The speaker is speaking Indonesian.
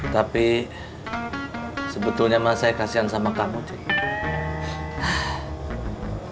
tapi sebetulnya mah saya kasihan sama kamu cik